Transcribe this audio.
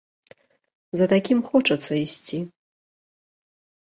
За такім хочацца ісці.